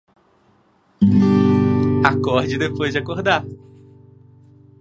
Acorde depois de acordar